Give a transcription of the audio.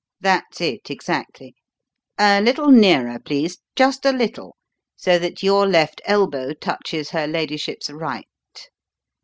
That's it exactly. A little nearer, please just a little, so that your left elbow touches her ladyship's right.